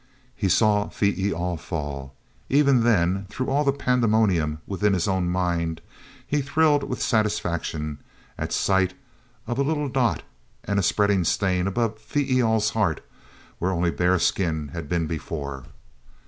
He saw Phee e al fall. Even then, through all the pandemonium within his own mind, he thrilled with satisfaction at sight of a little dot and a spreading stain above Phee e al's heart, where only bare skin had been before.